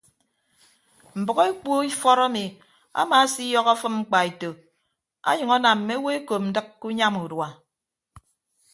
Mbʌk ekpu ifọt emi amaasiyọhọ afịm mkpaeto ọnyʌñ anam mme owo ekop ndịk ke unyam urua.